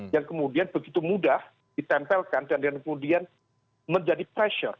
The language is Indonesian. yang kemudian begitu mudah ditempelkan dan kemudian menjadi pressure